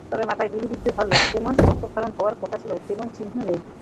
তবে মাথায় গুলিবিদ্ধ হলে যেমন রক্তক্ষরণ হওয়ার কথা ছিল, তেমন চিহ্ন নেই।